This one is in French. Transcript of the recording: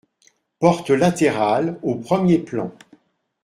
Portes latérales au premier plan.